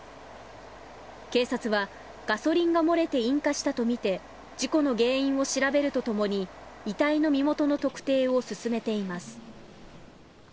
警察はガソリンが漏れて引火したとみて事故の原因を調べるとともに遺体の身元の特定を進めています。